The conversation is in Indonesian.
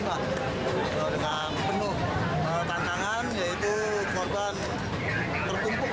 dengan penuh tantangan yaitu korban tertumpuk